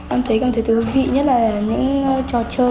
em thấy thú vị nhất là những trò chơi